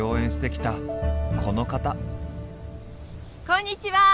こんにちは！